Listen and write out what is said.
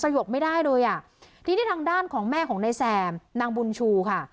หยกไม่ได้เลยอ่ะทีนี้ทางด้านของแม่ของนายแซมนางบุญชูค่ะ